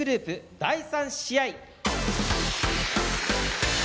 第３試合。